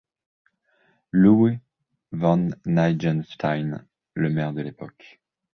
Lewe van Neijenstein, le maire de l'époque.